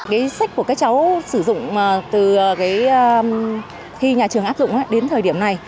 cái sách của các cháu sử dụng từ khi nhà trường áp dụng đến thời điểm này